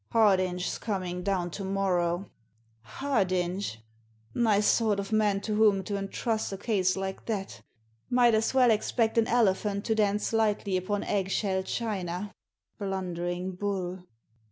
Hardinge's coming down to morrow." " Hardinge ! Nice sort of man to whom to entrust a case like that t Might as well expect an elephant to dance lightly upon egg shell china! Blundering bull!"